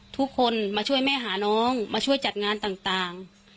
ทุกคนมาช่วยแม่หาน้องมาช่วยจัดงานต่าง